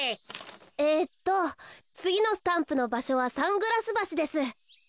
えっとつぎのスタンプのばしょはサングラスばしです。